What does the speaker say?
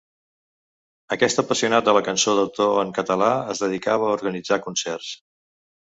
Aquest apassionat de la cançó d'autor en català es dedicava a organitzar concerts.